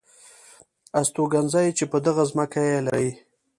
استوګنځي چې په دغه ځمکه یې لرئ .